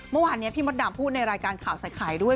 เมื่อวานนี้พี่มดดำพูดในรายการข่าวใส่ไข่ด้วย